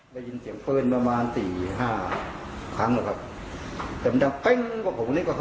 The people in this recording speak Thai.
ได้ยินเสียงเพลินประมาณสี่ห้าครั้งแหละครับแต่มันทำวันนี้ก็